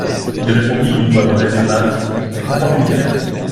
Il répondit d'une voix brève et basse : C'est que ma fortune est faite.